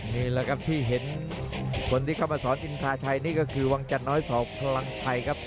นี่หล่ะครับที่เห็นคนที่เข้ามาสอนนี่ก็ว่างจัดน้อยสอบพลังชัยครับ